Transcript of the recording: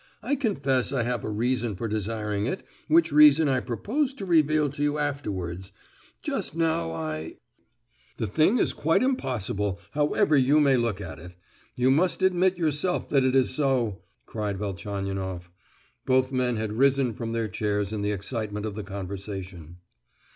I confess I have a reason for desiring it, which reason I propose to reveal to you afterwards; just now I——" "The thing is quite impossible, however you may look at it. You must admit yourself that it is so!" cried Velchaninoff. Both men had risen from their chairs in the excitement of the conversation.